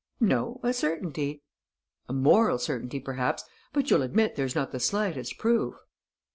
"No, a certainty." "A moral certainty, perhaps, but you'll admit there's not the slightest proof."